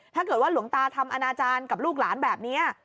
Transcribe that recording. ถ้าเกิดว่าหลวงตาทำอนาจารย์กับลูกหลานแบบนี้